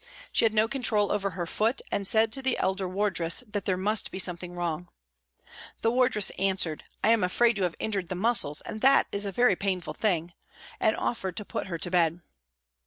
She had no control over her foot and said to the elder wardress that there must be something wrong. The wardress answered, " I am afraid you have injured the muscles and that is a very painful thing," and offered to put her to bed.